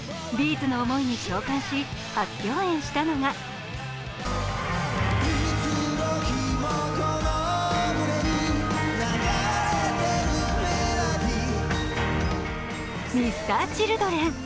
’ｚの思いに共感し初共演したのがＭｒ．Ｃｈｉｌｄｒｅｎ。